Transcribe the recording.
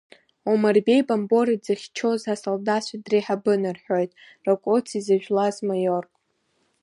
Омарбеи Бамбора дзыхьчоз асолдаҭцәа дреиҳабын, рҳәоит, Ракоци зыжәлаз маиорк…